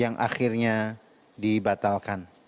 yang akhirnya dibatalkan